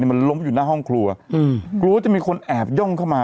มันล้มอยู่หน้าห้องครัวกลัวว่าจะมีคนแอบย่องเข้ามา